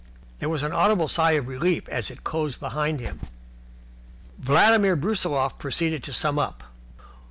There was an audible sigh of relief as it closed behind him. Vladimir Brusiloff proceeded to sum up.